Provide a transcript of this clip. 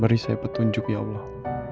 beri saya petunjuk ya allah